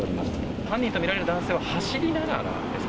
犯人と見られる男性は走りながらですか？